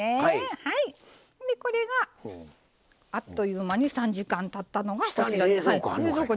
これがあっという間に３時間たったのが。